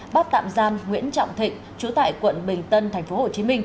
bắt tạm giam nguyễn trọng thịnh trú tại quận bình tân tp hcm